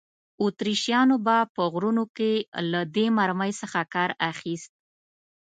اتریشیانو به په غرونو کې له دې مرمۍ څخه کار اخیست.